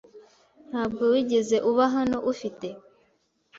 Ntabwo wigeze uba hano, ufite?